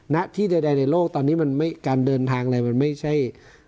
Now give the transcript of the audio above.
ณที่ใดในโลกตอนนี้มันไม่การเดินทางอะไรมันไม่ใช่